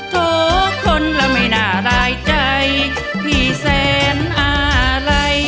ขอคนละไม่น่ารายใจพี่แสนอะไร